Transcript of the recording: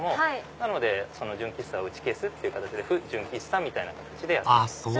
なので純喫茶を打ち消すって形で不純喫茶って形でやってます。